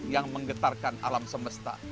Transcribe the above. yang menggetarkan alam semesta